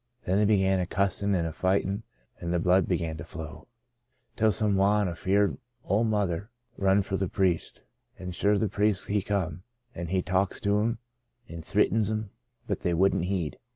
Then they began a cussin' " Out of Nazareth " 121 an' a fightin' an' the blood began to flow, till some wan, afeerd o' murther, run for the priest. An' shure the priest he come, an' he talks to 'em, an' thritins 'em, but they wouldn't heed.